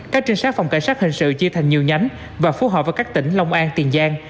các trinh sát phòng cảnh sát hình sự chia thành nhiều nhánh và phú họp vào các tỉnh long an tiền giang